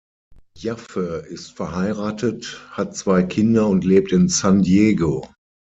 Jaffe ist verheiratet, hat zwei Kinder und lebt in San Diego.